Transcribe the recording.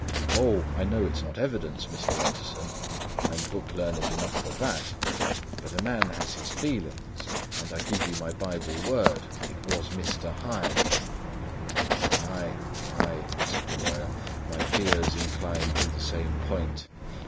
O, I know it's not evidence, Mr. Utterson; I'm book learned enough for that; but a man has his feelings, and I give you my bible word it was Mr. Hyde!" "Ay, ay," said the lawyer. "My fears incline to the same point.